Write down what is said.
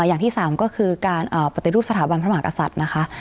อย่างที่สามก็คือการปฏิรูปสถาบันพระมหากษัตริย์นะคะ